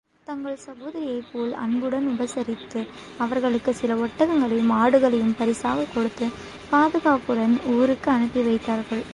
தங்கள் சகோதரியைப் போல் அன்புடன் உபசரித்து, அவர்களுக்குச் சில ஒட்டகங்களையும், ஆடுகளையும் பரிசாகக் கொடுத்து, பாதுகாப்புடன் ஊருக்கு அனுப்பிவைத்தார்கள்.